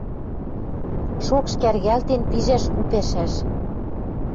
Шокш кӓргӓлтен пижӓш у пӓшӓш.